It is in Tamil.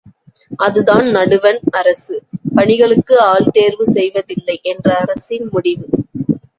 அதுதான் நடுவண் அரசு பணிகளுக்கு ஆள் தேர்வு செய்வதில்லை என்ற அரசின் முடிவு.